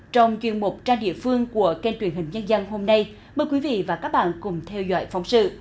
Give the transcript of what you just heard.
trong chuyên mục trang địa phương của kênh truyền hình nhân dân hôm nay mời quý vị và các bạn cùng theo dõi phóng sự